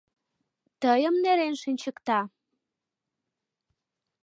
Тыйым нерен шинчыкта?